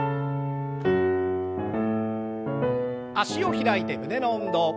脚を開いて胸の運動。